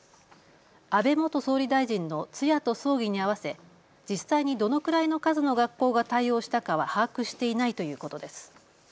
安倍元総理大臣の通夜と葬儀に合わせ実際にどのくらいの数の学校が対応したかは把握していないということです。